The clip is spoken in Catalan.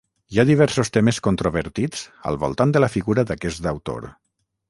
Hi ha diversos temes controvertits al voltant de la figura d'aquest autor.